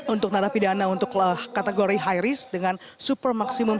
untuk narapidana untuk kategori high risk dengan super maksimum